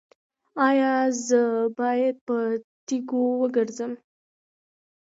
ایا زه باید په تیږو وګرځم؟